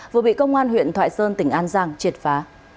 vừa bị công an huyện thoại sơn tỉnh an giang triệt phá